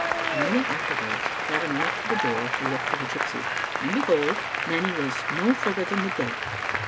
A minute afterwards Gavin went to the door to look for the gypsy, and, behold, Nanny was SO further than the gate.